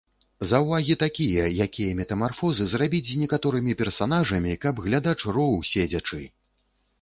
Заўвагі такія, якія метамарфозы зрабіць з некаторымі персанажамі, каб глядач роў седзячы.